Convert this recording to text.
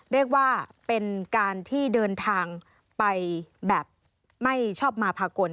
เรียกว่าเป็นการที่เดินทางไปแบบไม่ชอบมาพากล